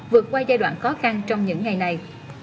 vượt qua giai đoạn khó khăn trong những ngày này